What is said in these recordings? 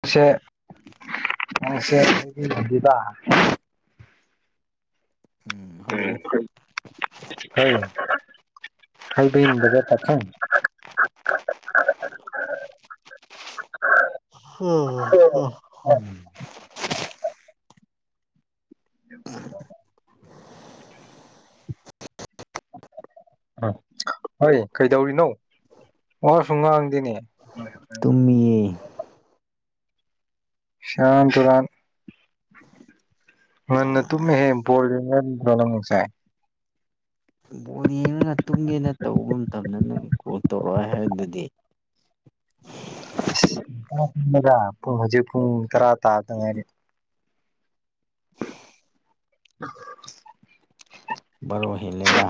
ꯃ ꯁꯦ ꯃ ꯁ ꯑꯩꯕꯤꯗ ꯎꯝ ꯍꯜꯂꯣ ꯎꯝꯝ ꯑꯩꯕꯤꯒ ꯆꯁ ꯍ ꯍ ꯑꯗꯨ ꯑꯝ ꯍꯣꯏ ꯀꯩꯗꯧꯔꯤꯅꯣ ꯑꯣꯁꯨ ꯉꯥꯡꯗꯦꯅꯦ ꯇꯨꯝꯃꯤꯌꯦ ꯁꯥꯟ ꯇꯨꯔꯥꯟ ꯉꯟꯅ ꯇꯨꯝꯃꯦ ꯍꯦ ꯄꯣꯜꯅ꯭ꯔꯣ ꯅꯪ ꯉꯁꯥꯏ ꯅꯪ ꯇꯨꯡꯒꯤꯦꯅ ꯇꯧꯕ ꯃꯇꯝꯗ ꯅꯪ ꯀꯣꯜ ꯇꯧꯔꯛꯑꯣ ꯍꯥꯏꯕꯗꯨꯗꯤ ꯄꯨꯡ ꯍꯧꯖꯤꯛ ꯄꯨꯡ ꯇꯔꯥ ꯇꯥꯗꯉꯥꯏꯔꯤ [unintelligible] ꯔꯣꯍꯤꯠꯂꯗ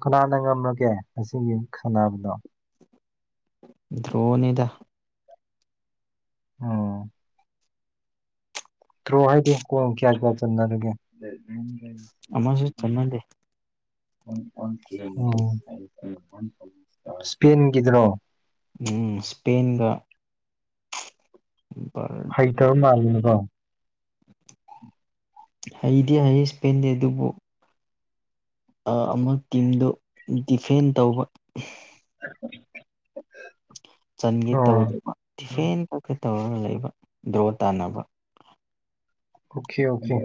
ꯀꯅꯥꯅ ꯉꯝꯂꯒꯦ ꯑꯁꯤꯒꯤꯒꯤ ꯈꯪꯅꯕꯅꯣ ꯗ꯭ꯔꯣꯣꯟꯗ ꯑꯣ ꯊ꯭ꯔꯣ ꯍꯥꯏꯗꯤ ꯀ ꯀꯌꯥꯔ ꯀꯌꯥ ꯆꯅꯒ ꯑꯃꯁꯨ ꯆꯅꯜ ꯂꯩꯦ ꯏꯁꯄꯦꯟ ꯀꯗ꯭ꯔꯣ ꯎꯝ ꯁꯄꯦꯟꯒ ꯍꯩꯇꯕ ꯃꯥꯜꯂꯤꯅꯤꯀꯣ ꯎꯝ ꯍꯩꯗꯤꯦ ꯍꯩꯌꯦꯁ ꯄꯦꯟꯗꯦ ꯑꯗꯨꯕꯨ ꯑꯃꯨꯛ ꯇꯤꯝꯗꯨ ꯗꯤꯐꯦꯟ ꯇꯧꯕ [unintelligible] ꯁꯪꯒꯤ ꯑꯣ ꯇꯧꯗ꯭ꯔꯦ ꯇꯐ ꯇ ꯇꯧꯔꯒ ꯂꯩꯕ ꯗ꯭ꯔꯣ ꯇꯥꯟꯅꯕ ꯑꯣꯀꯦ ꯑꯣꯦ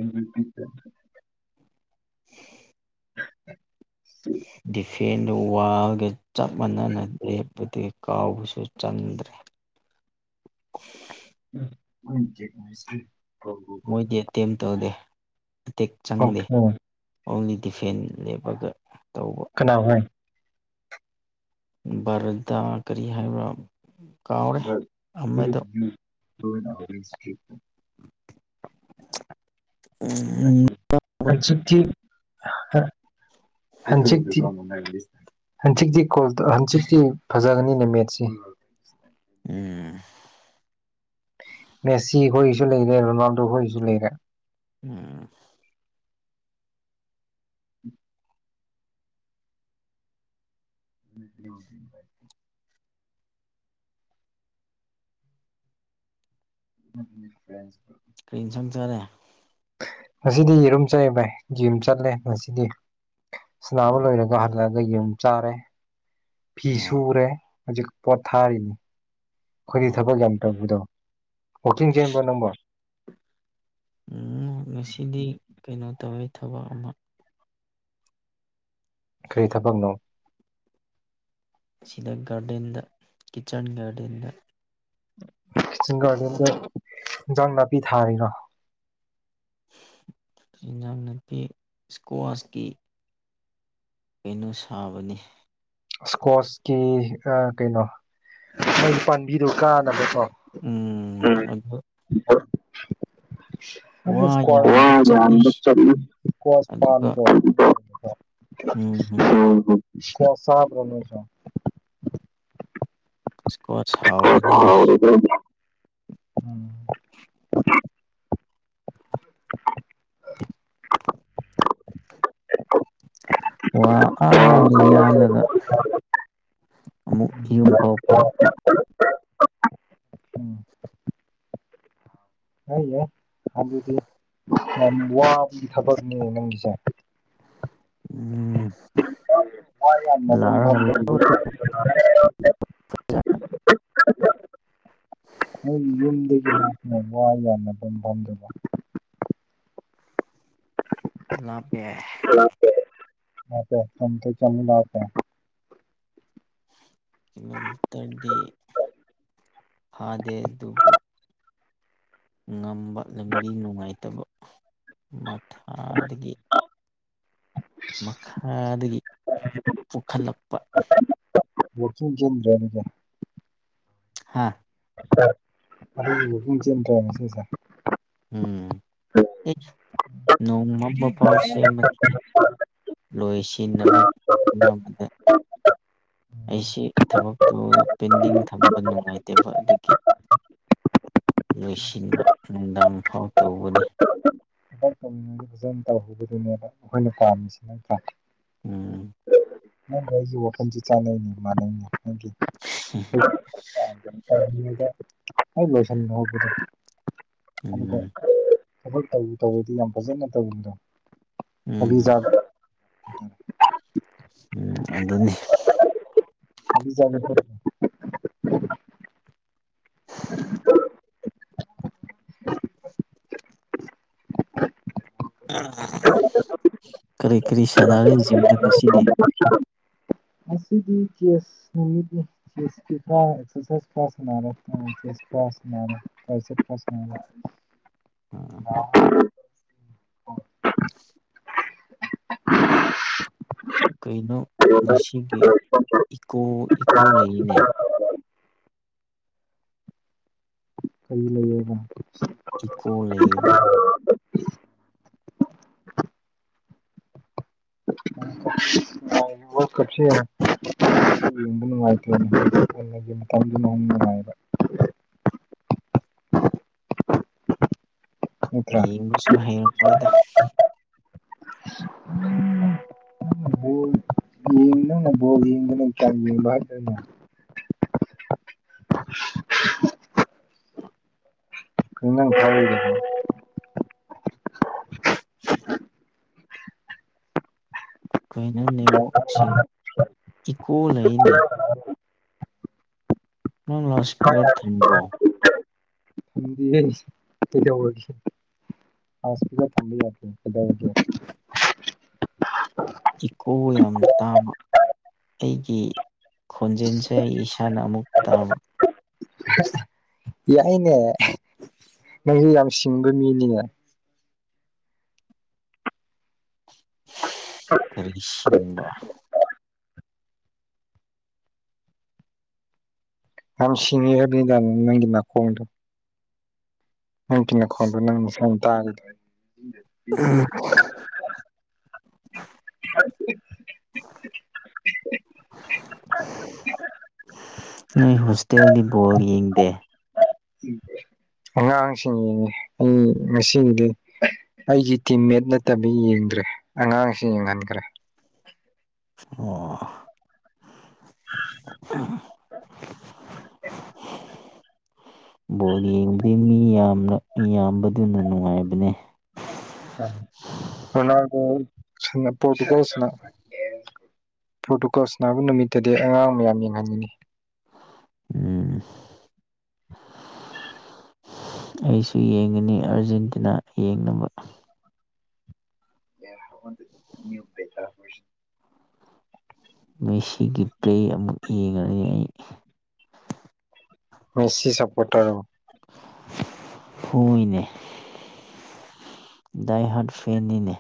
[unintelligible] ꯄꯦꯟꯅ ꯋꯥꯒ ꯆꯞ ꯃꯥꯟꯅꯅꯗ꯭ꯔꯦ ꯕꯗꯤ ꯀꯥꯎꯕꯁꯨ ꯆꯟꯗ꯭ꯔꯦ ꯦꯁꯤ ꯃꯣꯏꯗꯤ ꯑꯦꯇꯦꯝ ꯇꯧꯗꯦ ꯃꯇꯦꯛ ꯆꯪꯗꯦ ꯑꯣꯀꯦ ꯑꯣꯡꯂꯤ ꯗꯤꯐꯦꯟ ꯂꯦꯞꯄꯒ ꯇꯧꯕ ꯀꯅꯥ ꯍꯥꯏ ꯚꯥꯔꯠꯇ ꯀꯔꯤ ꯍꯥꯏꯕ ꯀꯥꯎꯔꯦ ꯑꯃꯗꯣ ꯏꯁꯔꯤ ꯎꯝ ꯀ ꯁ ꯊꯤ ꯍꯟꯆꯤꯤ ꯍꯟꯆꯤꯛꯇꯛꯇꯤ ꯀꯣꯜ ꯍꯟꯆꯤꯛꯇꯤ ꯐꯖꯒꯅꯤꯅꯦ ꯃꯦꯠꯁꯦ ꯎꯝ ꯃꯦꯁꯤ ꯍꯁꯨ ꯂꯩꯔꯦ ꯔꯣꯅꯥꯜꯗꯣ ꯍꯁꯨ ꯂꯩꯔꯦ ꯑꯥ ꯦ ꯐ ꯀꯔꯤ ꯁꯪꯖꯔꯦ ꯉꯁꯤꯗꯤ ꯌꯦꯔꯨꯝ ꯆꯥꯏ ꯚꯥꯏ ꯌꯨꯝ ꯆꯠꯂꯦ ꯉꯁꯤꯗꯤ ꯁꯅꯥꯕ ꯑꯣ ꯂꯣꯏꯔꯒ ꯍꯜꯂꯛꯑꯒ ꯌꯨꯝ ꯆꯥꯔꯦ ꯐꯤ ꯑꯣ ꯁꯨꯔꯦ ꯍꯧꯖꯤꯛ ꯄꯣꯠ ꯊꯥꯔꯤꯅꯤ ꯑꯩꯈꯣꯏꯗꯤ ꯑꯣ ꯊꯕꯛ ꯌꯥꯝ ꯇꯧꯕꯗꯣ ꯋꯥꯛꯀꯤꯡ ꯆꯦꯟꯕ꯭ꯔ ꯅꯪꯕꯣ ꯉꯁꯤꯗꯤ ꯀꯩꯅꯣ ꯇꯧꯋꯦ ꯊꯕꯛ ꯑꯃ ꯀꯔꯤ ꯊꯕꯛꯅꯣ ꯁꯤꯗ ꯒꯥꯔꯗꯦꯟꯗ ꯀꯤꯠꯆꯟ ꯒꯥꯔꯗꯦꯟꯗ ꯁꯁꯤꯡꯒꯔꯗꯗ ꯖꯟꯃꯄꯤ ꯊꯔꯦꯅ ꯏꯤꯟꯖꯥꯡ ꯅꯨꯄꯤ ꯏꯁꯀ꯭ꯋꯥꯁꯀꯤ ꯀꯩꯅꯣ ꯁꯥꯕꯅꯤ ꯏꯁꯀꯣꯁꯀꯤ ꯀꯩꯅꯣ ꯃꯣꯏ ꯄꯥꯝꯕꯤꯗꯣ ꯀꯥꯟꯅꯕꯀꯣ ꯎꯝ ꯑꯗꯨꯗ ꯌꯥꯟꯕ ꯆꯠꯂꯤ ꯋꯥ ꯑꯗꯨꯒ ꯎꯝ ꯁ ꯁꯥꯕꯃꯦꯁ ꯏꯁꯀꯣꯔ ꯍ ꯎꯝ [unintelligible] ꯋꯥ ꯑꯗ ꯌꯥꯜꯂꯒ ꯑꯃꯨꯛ ꯎꯝ ꯌꯨꯝ ꯐꯥꯎ ꯄꯨꯔꯛꯄ ꯑꯩꯌꯦ ꯑꯗꯨꯗꯤ ꯌꯥꯝ ꯋꯥꯕꯒꯤ ꯊꯕꯛꯅꯦ ꯅꯪꯒꯤꯁꯦ ꯎꯝ ꯍ ꯌꯥꯝꯅ ꯑꯗꯨꯨꯝ ꯐ ꯂꯥꯛꯑꯒ ꯅꯪꯒꯤ ꯌꯨꯝꯗꯒꯤ ꯍꯥꯛꯅ ꯋꯥ ꯌꯥꯟꯅꯐꯝꯝꯐꯝꯝꯗꯨꯕ ꯂꯥꯛ ꯄꯦ ꯝ ꯆꯪ ꯂꯥꯛꯇꯦ ꯀꯤꯂꯣꯃꯤꯇꯔꯗꯤ ꯐꯥꯗꯦ ꯑꯗꯨꯕꯨ ꯉꯝ ꯄꯠꯂꯝꯒꯤ ꯅꯨꯡꯉꯥꯏꯇꯕ ꯃꯊꯥꯗꯒꯤ ꯃꯈꯥꯗꯒꯤ ꯄꯨꯈꯠꯂꯛꯄ ꯆꯤꯡ ꯀꯦꯟꯗ꯭ꯔ ꯀ ꯍꯥꯥ ꯁꯁ ꯎꯝ ꯑꯦ ꯅꯣꯡꯃꯝꯕ ꯄꯥꯎ ꯁꯦꯝꯕ ꯂꯣꯏ ꯁꯤꯟꯅꯕ ꯍꯣꯕꯗ ꯎꯝ ꯑꯩꯁꯤ ꯊꯕ ꯇꯗ ꯄꯦꯟꯗꯤꯡ ꯊꯝꯕ ꯅꯨꯡꯉꯥꯏꯇꯦꯕ ꯑꯗꯨꯒꯤ ꯂꯣꯏꯁꯤꯟꯕ ꯅꯨꯡꯗꯥꯡ ꯐꯥꯎ ꯇꯧꯕꯅꯤ ꯊꯕꯛ ꯇꯧꯔꯤꯉꯩꯗ ꯐꯖꯅ ꯇꯧꯍꯧꯕꯗꯨꯅꯦꯕ ꯑꯩꯈꯣꯏꯅ ꯄꯥꯝꯃꯤꯁꯤꯅ ꯎꯝ ꯅ ꯉꯒꯤ ꯋꯥ ꯄꯨꯟꯁꯤ ꯆꯥꯅꯅꯤ ꯃꯥꯅꯅꯦ [unintelligible] ꯍꯁꯗ ꯎꯝ ꯊꯈꯣꯏ ꯇꯧ ꯇꯧꯔꯗꯤ ꯌꯥꯝ ꯐꯖꯅ ꯇꯧꯋꯗꯣ ꯎꯝ ꯎꯝ ꯑꯗꯨꯅꯤ ꯑ ꯆ ꯀꯔꯤ ꯀꯔꯤ ꯁꯅꯔꯦ ꯖꯤꯗ ꯉꯁꯤꯗꯤ ꯗꯤꯁꯔ ꯀꯩꯅꯣ ꯃꯁꯤꯁꯤꯒꯤ ꯏꯀꯣ ꯏꯀꯣ ꯂꯩꯅꯦ ꯀꯔꯤ ꯂꯩꯌꯦꯕ ꯏꯀꯣ ꯂꯩꯌꯦꯕ ꯀꯆ ꯅꯨꯡꯉꯥꯏ ꯅꯠꯇ꯭ꯔꯥ ꯌꯦꯡꯕꯁꯨ ꯍꯩꯔꯝꯃꯣꯏꯗ ꯅꯪꯅ ꯕꯣꯜ ꯅ ꯏ ꯐꯔ ꯀꯩꯅ ꯅꯅꯤꯋꯣꯛꯁꯤꯡ ꯏꯀꯣ ꯂꯩꯅꯤ ꯅꯪ ꯂꯥꯁꯄꯤꯌꯥꯠ ꯊꯕ꯭ꯔꯣ ꯁꯤ ꯌꯥ ꯑꯣꯏꯁ ꯀꯩꯗꯧꯔꯒꯦ ꯏꯀꯣ ꯌꯥꯝ ꯇꯥꯕ ꯑꯩꯒꯤ ꯈꯣꯟꯖꯦꯜꯁꯦ ꯑꯩ ꯏꯁꯥꯅ ꯑꯃꯨꯛ ꯇꯥꯕ ꯌꯥꯏꯅꯦ ꯅꯪꯁꯨ ꯌꯥꯝ ꯁꯤꯡꯕ ꯃꯤꯅꯤꯅꯦ ꯀꯔꯤ ꯁꯤꯡꯕ ꯍꯝ ꯁꯤꯅꯤ [unintelligible] ꯍꯅꯤꯗꯥꯅ ꯅꯪꯒꯤꯅꯥ ꯈꯣꯡꯗ‌ꯣ ꯅꯪ ꯀꯤ ꯅꯈꯣꯡꯗ ꯅꯪ ꯃꯁ ꯇꯥ ꯎꯝ [unintelligible] ꯅꯣꯏ ꯍꯣꯁꯇꯦꯜꯒꯤ ꯕꯣꯜ ꯌꯦꯡꯗꯦ ꯑꯉꯥꯡꯁꯤꯡ ꯌꯦꯡꯉꯤ ꯑꯩ ꯉꯁꯤꯒꯤꯗꯤ ꯑꯩꯒꯤ ꯇꯤꯝꯃꯦꯠ ꯅꯠꯇꯕꯩ ꯌꯦꯡꯗ꯭ꯔꯦ ꯑꯉꯥꯡꯁꯤꯡ ꯌꯦꯡꯍꯟꯈ꯭ꯔꯦ ꯑꯣ [unintelligible] ꯕꯣꯜ ꯌꯦꯡꯕꯗꯤ ꯃꯤ ꯌꯥꯝꯅ ꯌꯥꯝꯕꯗꯨꯅ ꯅꯨꯡꯉꯥꯏꯕꯅꯦ [unintelligible] [unintelligible] ꯄ꯭ꯔꯣꯔꯇꯨꯀꯣꯜ ꯁꯥꯟꯅꯥꯕ ꯅꯨꯃꯤꯠꯇꯗꯤ ꯑꯉꯥꯡ ꯃꯌꯥꯝ ꯌꯦꯡꯍꯟꯒꯉꯤ ꯎꯝ ꯑꯩꯁꯨ ꯌꯦꯡꯉꯅꯤ ꯑꯥꯔꯖꯦꯟꯇꯤꯅꯥ ꯌꯦꯡꯅꯕ ꯃꯦꯁꯤꯒꯤ ꯄ꯭ꯔ‌ꯦ ꯑꯃꯨꯛ ꯌꯦꯡꯉꯅꯤ ꯑꯩ ꯃ‌ꯦꯁꯤ ꯁꯄꯣꯔꯠ ꯇꯧꯔ ꯐꯨꯏꯅꯦ ꯗꯥꯏ ꯍꯥꯠ ꯐꯦꯟꯅꯤꯅꯦ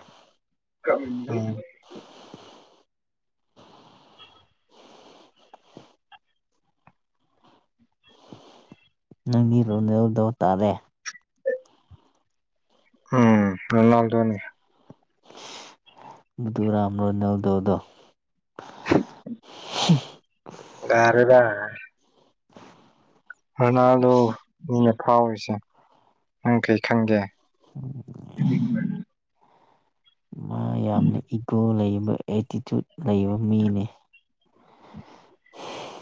ꯅꯪꯒꯤ ꯔꯣꯅꯦꯜꯗꯣ ꯇꯥꯔꯦ ꯔ‌ꯣꯂꯥꯜꯗ‌ꯣꯅꯤ ꯃꯙꯨ [unintelligible] ꯔꯣꯅꯥꯜꯗ‌ꯣꯗ‌ꯣ ꯒꯥꯔꯦꯗ ꯔ‌ꯣꯅꯥꯜꯗ‌ꯣ ꯃꯤꯅ ꯐꯥꯎꯔꯤꯁꯦ ꯅꯪ ꯀꯩ ꯈꯪꯒꯦ ꯃꯥ ꯌꯥꯝꯅ ꯏꯒꯣ ꯂꯩꯕ ꯑꯦꯇꯤꯇꯨꯠ ꯂꯩꯕ ꯃꯤꯅꯤ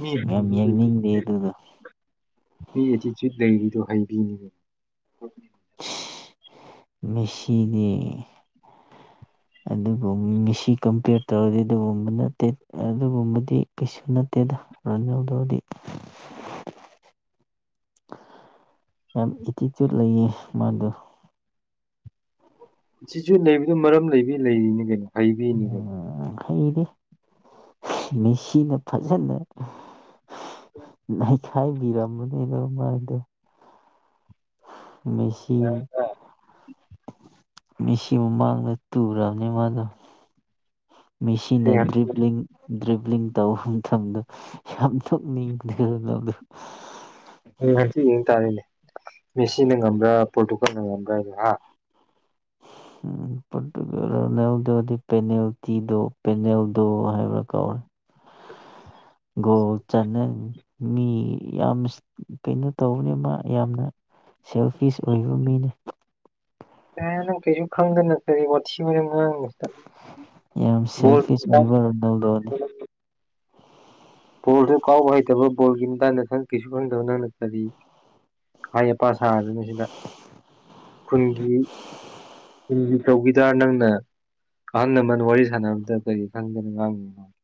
ꯃꯤ ꯌꯥꯝ ꯍꯩꯕꯗꯨ ꯌꯦꯡꯅꯤꯡꯗꯦ ꯑꯗꯨꯗ‌ꯣ ꯃꯤ ꯑꯦꯇꯤꯆ꯭ꯨꯠ ꯂꯩꯔꯤꯗꯣ ꯍꯥꯏꯕꯩꯅꯤꯅ‌ꯦ ꯃꯦꯁꯤꯗꯤ ꯑꯗꯨꯒ ꯃꯦꯁꯤ ꯀꯝꯄꯤꯌꯔ ꯇꯧꯔꯗꯤ ꯑꯗꯨꯒꯨꯝꯕ ꯅꯠꯇꯦ ꯑꯗꯨꯒꯨꯝꯕꯗꯤ ꯀꯩꯁꯨ ꯅꯠꯇꯦꯗ ꯔ‌ꯣꯅꯥꯜꯗ‌ꯣ ꯗꯤ ꯌꯥꯝ ꯑꯦꯇꯤꯇ꯭ꯌꯨꯠ ꯂꯩꯌꯦ ꯃꯥꯗꯣ ꯁꯤꯁꯨ ꯂꯩꯕꯗꯨ ꯃꯔꯝ ꯂꯩꯕꯤ ꯂꯩꯔꯤꯅꯤ ꯀꯩꯅꯣ ꯍꯩꯕꯤꯅꯤ ꯎꯝ ꯀꯩꯅꯣ ꯍꯩꯔꯦ ꯃ‌ꯦꯁꯤꯅ ꯐꯖꯅ ꯉ [unintelligible] ꯈꯥꯏꯕꯤꯔꯝ ꯃꯅꯤꯅ‌ꯦ ꯃꯥꯗꯣ ꯃꯦꯁꯤ ꯃ‌ꯦꯁꯤ ꯃꯃꯥꯡꯗ ꯇꯨꯔꯝꯅꯤ ꯃꯥꯗꯣ ꯃꯦꯁꯤꯅ ꯍꯌꯦꯡ ꯗ꯭ꯔꯤꯞꯂꯤꯡ ꯗ꯭ꯔꯤꯚꯂꯤꯡ ꯇꯧꯕ ꯃꯇꯝꯗꯣ ꯌꯥꯝ ꯊꯣꯛꯅꯤꯡꯗꯗꯣ ꯎꯝ ꯍꯪꯆꯤꯠ ꯌ‌ꯦꯡꯇꯥꯔꯤꯅꯦ ꯃꯦꯁꯤꯅ ꯉꯝꯕ꯭ꯔꯥ ꯄꯣꯇꯨꯒꯜꯅ ꯉꯝꯕ꯭ꯔꯥ ꯍꯥꯏꯗ‌ꯣ ꯍꯥ ꯄ‌ꯣꯔꯇꯨꯒꯜ ꯔ‌ꯣꯅꯥꯜꯗ‌ꯣꯗꯤ ꯄꯦꯅꯦꯜꯇꯤꯗꯣ ꯄꯦꯅꯦꯜꯗꯣ ꯍꯥꯏꯕ꯭ꯔꯥ ꯀꯧꯔꯦ ꯒꯣꯜ ꯆꯅ ꯃꯤ ꯌꯥꯝ ꯀꯩꯅꯣ ꯇꯧꯕꯅꯤ ꯃꯥ ꯌꯥꯝꯅ ꯁꯦꯜꯐꯤꯁ ꯑꯣꯏꯕ ꯃꯤꯅꯤ ꯑꯦ ꯅꯪ ꯀꯩꯁꯨ ꯈꯪꯗꯅ ꯀꯔꯤ ꯋꯥꯊꯤ ꯋꯥꯔ‌ꯦꯝ ꯉꯥꯡꯏ ꯌꯥꯝ ꯁꯦꯜꯐꯤꯁ ꯑꯣꯏꯕ ꯔꯣꯅꯥꯜꯗꯣꯅꯤ ꯕꯣꯜꯁꯨ ꯀꯥꯎꯕ ꯍꯩꯇꯕ ꯕꯣꯜꯒꯤ ꯃꯇꯥꯡꯗꯪ ꯀꯩꯁꯨ ꯈꯪꯗꯕ ꯅꯪꯅ ꯀꯔꯤ ꯍꯥꯏ ꯁꯥꯖꯅꯤ ꯁꯤꯗ ꯈꯨꯟꯒꯤ ꯈꯨꯟꯒꯤ ꯇꯧꯈꯤꯗꯔ ꯅꯪꯅ ꯑꯍꯜ ꯂꯃꯅ ꯋꯥꯔꯤ ꯁꯥꯟꯅꯕꯝꯗ ꯀꯔꯤ ꯈꯪꯗꯅ ꯉꯥꯡꯉꯅꯣ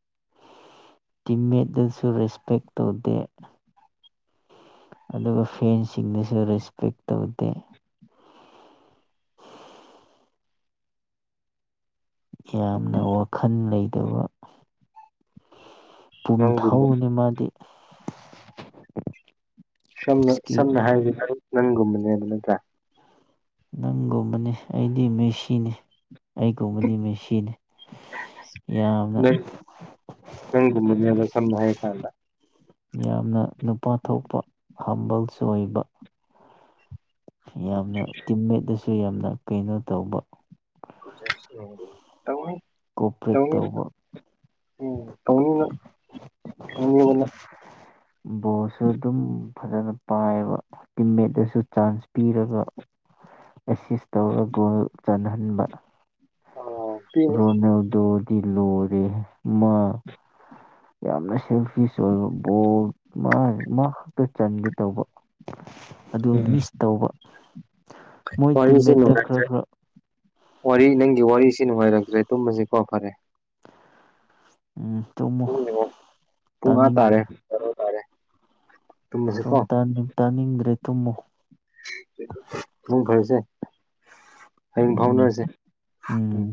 ꯇꯤꯃꯦꯦꯠ ꯜꯁꯨ ꯔꯦꯁꯄꯦꯛꯇ ꯇꯧꯗ ꯑꯗꯨꯒ ꯐꯦꯟꯁꯤꯡꯗꯁꯨ ꯔꯦꯁꯄꯦꯛ ꯇꯧꯗꯦ ꯌꯥꯝꯅ ꯋꯥꯈꯜ ꯂꯩꯇꯕ ꯄꯨꯝ ꯅꯪꯒꯨꯝꯕ ꯊꯥꯎꯅꯤ ꯃꯥꯗꯤ ꯁꯝꯅ ꯏꯁꯀꯤꯜ ꯁꯝꯅ ꯍꯥꯏ ꯅꯪꯒꯨꯝ ꯃꯅꯦꯅ ꯅꯠꯇ꯭ꯔ ꯅꯪꯒꯨꯝꯕꯅꯤ ꯑꯩꯗꯤ ꯃꯦꯁꯤꯅꯤ ꯑꯩꯒꯨꯝꯕꯅꯤ ꯃꯦꯁꯤꯅꯤ ꯌꯥꯝꯅ ꯅꯪ ꯅꯪꯒꯨꯝꯕꯅꯦꯕ ꯁꯝꯅ ꯍꯥꯏꯔ ꯀꯥꯟꯗ ꯌꯥꯝꯅ ꯅꯨꯄꯥ ꯊꯣꯛꯄ ꯍꯝꯕꯜꯁꯨ ꯑꯣꯏꯕ ꯌꯥꯝꯅ ꯇꯤꯝꯃꯦꯠꯇꯁꯨ ꯌꯥꯝꯅ ꯀꯩꯅꯣ ꯇꯧꯕ ꯇꯕꯨꯣꯏ ꯀꯣꯑꯣꯄꯔꯦꯠ ꯇꯧ ꯎꯝ ꯇꯧꯕ ꯇꯧ ꯇꯧ ꯕꯣꯁ ꯑꯗꯨꯝ ꯐꯖꯅ ꯄꯥꯏꯌꯦꯕ ꯇꯤꯝꯃꯦꯠꯇꯁꯨ ꯆꯥꯟꯁ ꯄꯤꯔꯒ ꯑꯦꯁꯤꯁ ꯇꯧꯔ ꯒꯣꯜ ꯆꯥꯟꯍꯟꯕ ꯑꯥ ꯄꯤꯅꯤ ꯔꯣꯅꯣꯗꯣꯗꯤ ꯂꯔꯦ ꯃꯥ ꯌꯥꯝꯅ ꯁꯦꯜꯐ ꯕ ꯕꯣꯜ ꯃꯥ ꯈꯛꯇ ꯆꯟꯒꯦ ꯇꯧꯕ ꯑꯗꯨ ꯃꯤꯁ ꯇꯧꯕ ꯃꯣꯏ ꯋꯥꯔꯤꯁꯦ ꯇꯤꯝꯃꯦꯠꯇ ꯈꯔ ꯅꯨꯡꯉꯥꯏꯇ꯭ꯔꯦ ꯈꯔ ꯋꯥꯔꯤ ꯅꯪꯒꯤ ꯋꯥꯔꯤꯁꯤ ꯅꯨꯡꯉꯥꯏꯔꯛꯇ꯭ꯔꯦ ꯇꯨꯝꯕꯁꯤꯀꯣ ꯐꯔꯦ ꯎꯝ ꯆꯨꯝꯃꯨ ꯄꯨꯡ ꯑꯥ ꯇꯥꯔꯦ ꯇꯥꯅꯤꯡꯗ꯭ꯔꯦ ꯇ ꯇꯨꯝꯃꯁꯤꯀꯣ ꯇ ꯇꯅꯤ ꯏꯒ꯭ꯔꯦꯖ ꯇꯨꯝꯃꯨ ꯃꯛ ꯐꯕꯤꯁꯦ ꯍꯌꯦꯡ ꯎꯝ ꯐꯥꯎꯅꯔꯁꯦ ꯎꯝ